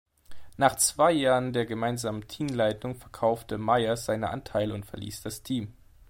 Nach zwei Jahren der gemeinsamen Teamleitung verkaufte Mayer seine Anteile und verließ das Team.